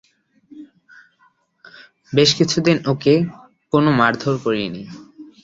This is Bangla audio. বেশ কিছুদিন ওকে কোনো মারধাের করিনি।